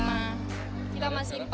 masih masih empat puluh enam